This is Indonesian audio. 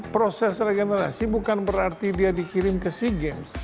proses regenerasi bukan berarti dia dikirim ke sea games